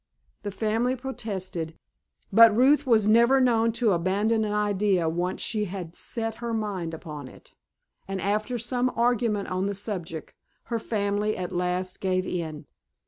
The family protested, but Ruth was never known to abandon an idea once she had set her mind upon it, and after some argument on the subject her family at last gave in.